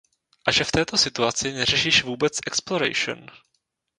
A že v této situaci neřešíš vůbec exploration.